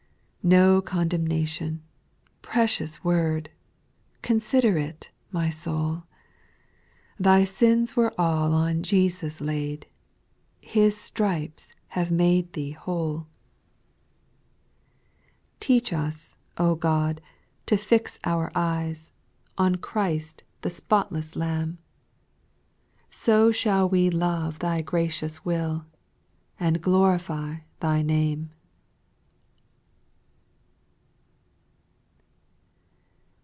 3. No condemnation I precious word I Consider it, my soul ; Thy sins were all on Jesus laid, His stripes have made thee whole, 4. Teach us, O God, to fix our eyes On Christ, the spoUesBl/iWDc^i^ 82 SPIRITUAL SONGS, So shall we love Thy gracious will, And glorify Thy name.